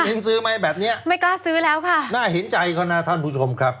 ซื้อไหมแบบเนี้ยไม่กล้าซื้อแล้วค่ะน่าเห็นใจเขานะท่านผู้ชมครับ